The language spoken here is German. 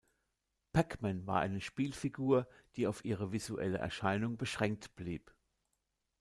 Pac-Man war eine Spielfigur, die auf ihre visuelle Erscheinung beschränkt blieb.